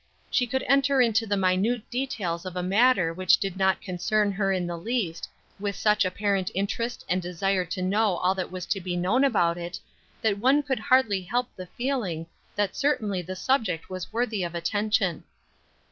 She could enter into the minute details of a matter which did not concern her in the least, with such apparent interest and desire to know all that was to be known about it, that one could hardly help the feeling that certainly the subject was worthy of attention.